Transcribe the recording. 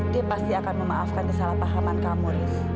dia pasti akan memaafkan kesalahpahaman kamu riz